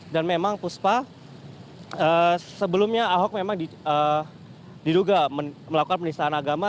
dan memang puspa sebelumnya ahok memang diduga melakukan penistaan agama